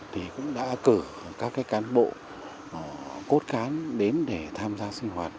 thì cũng đã cử các cán bộ cốt cán đến để tham gia sinh hoạt